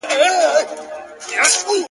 هسې سترگي پـټـي دي ويــــده نــه ده.